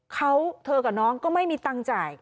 เขาเธอกับน้องก็ไม่มีตังค์จ่าย